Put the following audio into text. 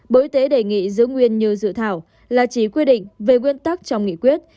bộ y tế đề nghị giữ nguyên như dự thảo là chỉ quy định về nguyên tắc trong nghị quyết